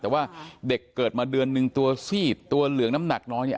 แต่ว่าเด็กเกิดมาเดือนนึงตัวซีดตัวเหลืองน้ำหนักน้อยเนี่ย